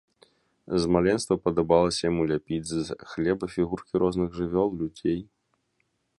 З маленства падабалася яму ляпіць з хлеба фігуркі розных жывёл, людзей.